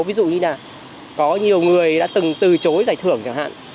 ví dụ như là có nhiều người đã từng từ chối giải thưởng chẳng hạn